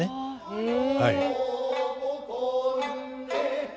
へえ。